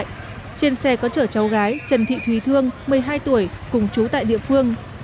trên xe có chở cháu gái trần thị thùy thương một mươi hai tuổi cùng chú tại địa phương